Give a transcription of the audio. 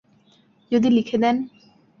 যদি লিখে দেন।